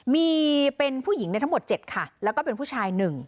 มีเป็นผู้หญิงทั้งหมด๗ค่ะแล้วก็เป็นผู้ชาย๑